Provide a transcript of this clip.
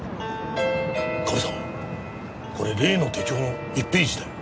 カメさんこれ例の手帳の１ページだよ。